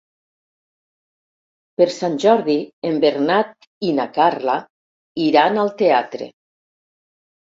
Per Sant Jordi en Bernat i na Carla iran al teatre.